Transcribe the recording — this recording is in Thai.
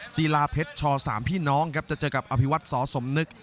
ศิลาเพชรช๓พี่น้องครับจะเจอกับอภิวัตสสมนึก